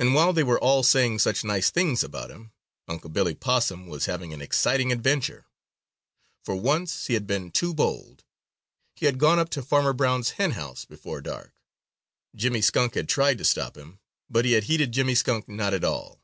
And while they were all saying such nice things about him, Unc' Billy Possum was having an exciting adventure. For once he had been too bold. He had gone up to Farmer Brown's hen house before dark. Jimmy Skunk had tried to stop him, but he had heeded Jimmy Skunk not at all.